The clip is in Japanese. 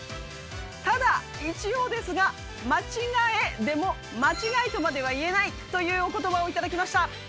ただ一応ですが「間違え」でも間違いとまでは言えないというお言葉を頂きました。